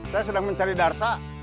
saya sedang mencari darsa